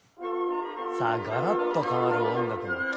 さあガラッと変わる音楽の切り替え